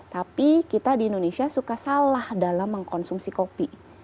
tapi kita di indonesia suka salah dalam mengkonsumsi kopi